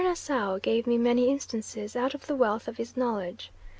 Nassau gave me many instances out of the wealth of his knowledge.